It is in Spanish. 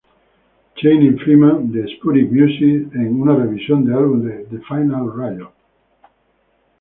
Channing Freeman de "Sputnik music", en una revisión al álbum "The Final Riot!